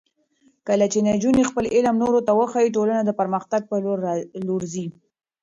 کله چې نجونې خپل علم نورو ته وښيي، ټولنه د پرمختګ په لور ځي.